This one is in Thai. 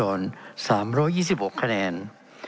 เป็นของสมาชิกสภาพภูมิแทนรัฐรนดร